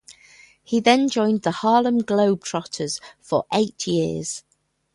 He then joined the Harlem Globetrotters for eight years.